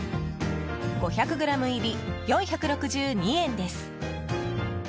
５００ｇ入り、４６２円です。